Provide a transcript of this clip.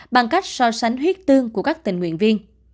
bằng cách so sánh huyết tương của các tình nguyện viên